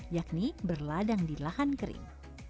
yakni berladang di lahan kering